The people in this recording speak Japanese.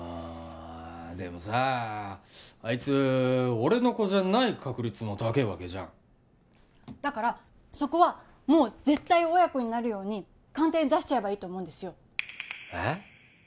あっでもさあいつ俺の子じゃない確率も高えわけじゃんだからそこはもう絶対親子になるように鑑定に出しちゃえばいいと思うんですよえっ？